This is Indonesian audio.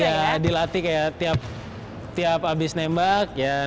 ya dilatih kayak tiap abis nembak ya mundur